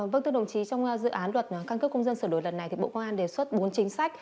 vâng thưa đồng chí trong dự án luật căng cấp công dân sửa đổi lần này bộ công an đề xuất bốn chính sách